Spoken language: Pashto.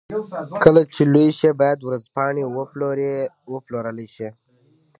کله چې لوی شي بايد ورځپاڼې وپلورلای شي.